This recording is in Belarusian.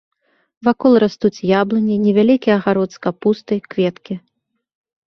Вакол растуць яблыні, невялікі агарод з капустай, кветкі.